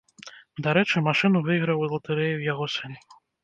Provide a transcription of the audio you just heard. Дарэчы, машыну выйграў у латарэю яго сын.